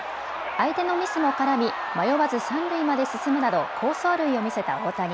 相手のミスも絡み迷わず三塁まで進むなど好走塁を見せた大谷。